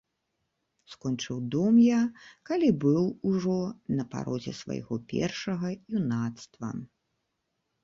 Скончыў дом я, калі быў ужо на парозе свайго першага юнацтва.